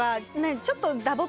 ちょっと。